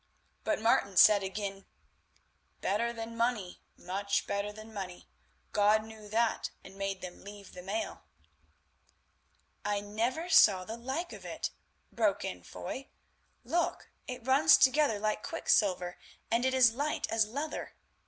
But Martin said again: "Better than money, much better than money. God knew that and made them leave the mail." "I never saw the like of it," broke in Foy; "look, it runs together like quicksilver and is light as leather.